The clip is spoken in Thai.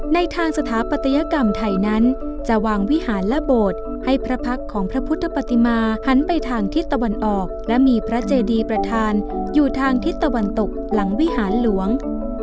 ในทางสถาปัตยกรรมไทยนั้นจะวางวิหารและโบสถ์ให้พระพักษ์ของพระพุทธปฏิมาหันไปทางทิศตะวันออกและมีพระเจดีประธานอยู่ทางทิศตะวันตกหลังวิหารหลวง